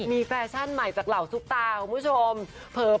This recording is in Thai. มีแฟชั่นใหม่จากเหล่าซุปตาของเวลา